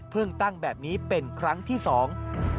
ตั้งแบบนี้เป็นครั้งที่สอง